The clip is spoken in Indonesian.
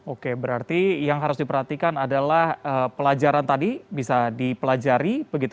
oke berarti yang harus diperhatikan adalah pelajaran tadi bisa dipelajari